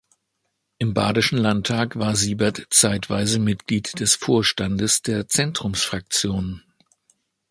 Im Badischen Landtag war Siebert zeitweise Mitglied des Vorstandes der Zentrumsfraktion.